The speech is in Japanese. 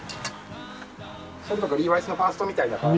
それとかリーバイスのファーストみたいな感じ。